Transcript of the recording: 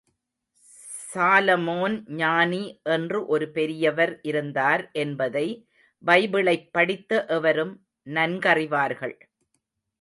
Solomon ஞானி என்று ஒரு பெரியவர் இருந்தார் என்பதை பைபிளைப் படித்த எவரும் நன்கறிவார்கள்.